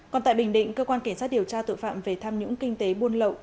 còn tại bình định cơ quan cảnh sát điều tra tội phạm về tham nhũng kinh tế buôn lậu